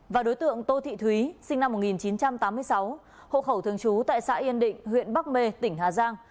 và đối tượng tô thị thúy sinh năm một nghìn chín trăm tám mươi sáu hộ khẩu thường trú tại xã yên định huyện bắc mê tỉnh hà giang